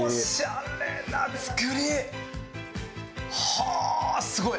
はあーすごい！